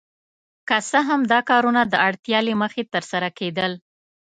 که څه هم دا کارونه د اړتیا له مخې ترسره کیدل.